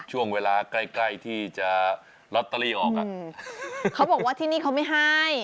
ช่วงเวลาใกล้ใกล้ที่จะลอตเตอรี่ออกอ่ะเขาบอกว่าที่นี่เขาไม่ให้